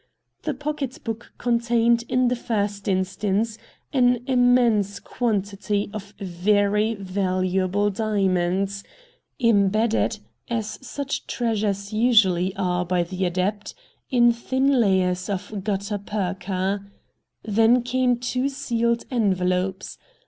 The pocket book contained in the first instance an immense quantity of very valuable diamonds, imbedded, as such treasures usually are by the adept, in thin layers of gutta percha. Then came two sealed envelopes.